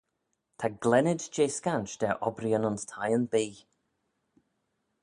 Ta glennid jeh scansh da obbreeyn ayns thieyn-bee.